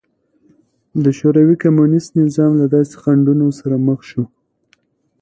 د شوروي کمونېست نظام له داسې خنډونو سره مخ شو